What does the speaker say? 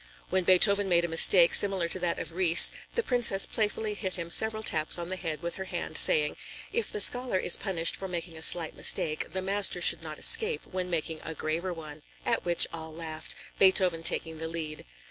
When Beethoven made a mistake similar to that of Ries, the Princess playfully hit him several taps on the head with her hand, saying: "If the scholar is punished for making a slight mistake, the master should not escape, when making a graver one," at which all laughed, Beethoven taking the lead.